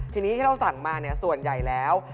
ทีนี้ที่เราสั่งมาส่วนใหญ่แล้ว